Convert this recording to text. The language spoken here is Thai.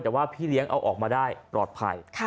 แต่ว่าพี่เลี้ยงเอาออกมาได้ปลอดภัย